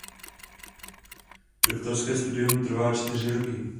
Doktorské studium trvá čtyři roky.